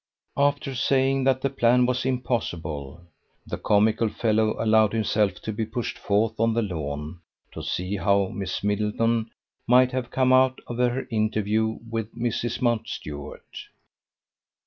After saying that the plan was impossible, the comical fellow allowed himself to be pushed forth on the lawn to see how Miss Middleton might have come out of her interview with Mrs. Mountstuart.